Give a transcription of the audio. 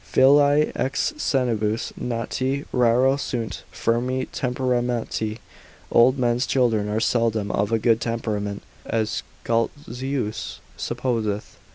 Filii ex senibus nati, raro sunt firmi temperamenti, old men's children are seldom of a good temperament, as Scoltzius supposeth, consult.